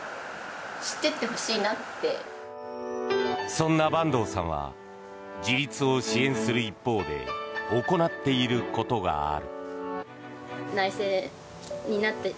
そんな板東さんは自立を支援する一方で行っていることがある。